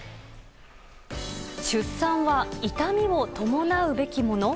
出産は痛みを伴うべきもの？